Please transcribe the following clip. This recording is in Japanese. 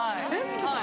はい。